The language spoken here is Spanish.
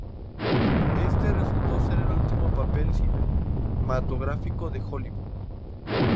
Este resultó ser su último papel cinematográfico de Hollywood.